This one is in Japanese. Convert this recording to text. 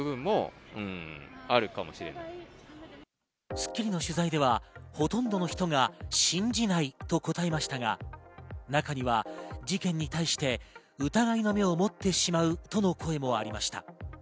『スッキリ』の取材ではほとんどの人が信じないと答えましたが、中には事件に対して疑いの目を持ってしまうとの声もありました。